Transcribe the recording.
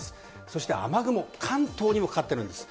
そして雨雲、関東にもかかってるんです。